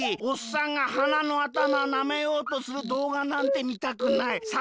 「おっさんがはなのあたまなめようとするどうがなんてみたくない」。